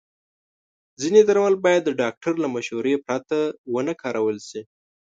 ځینې درمل باید د ډاکټر له مشورې پرته ونه کارول شي.